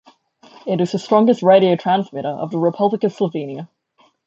It is the strongest radio transmitter of the Republic of Slovenia.